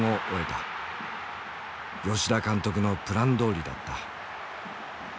吉田監督のプランどおりだった。